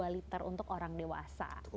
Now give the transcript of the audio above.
dua liter untuk orang dewasa